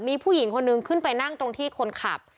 มีผู้หญิงคนนึงขึ้นไปนั่งตรงที่คนขับ